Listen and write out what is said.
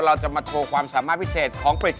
เราจะมาโชว์ความสามารถพิเศษของปริศ